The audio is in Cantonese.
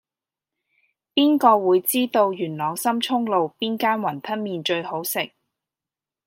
邊個會知道元朗深涌路邊間雲吞麵最好食